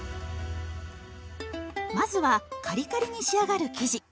まずはカリカリに仕上がる生地。